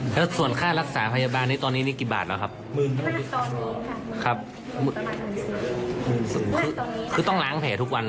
เพราะว่าตอนนี้ต้องไปดีกว่าต้องดูสภาพแห่ก่อนเนอะ